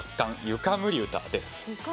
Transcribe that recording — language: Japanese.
「湯かむり唄」です。